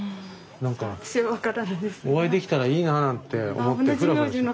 なんかお会いできたらいいななんて思ってブラブラして。